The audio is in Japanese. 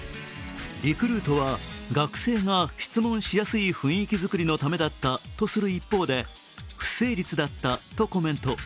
リクルートは学生が質問しやすい雰囲気作りのためだったとする一方で不誠実だったとコメント。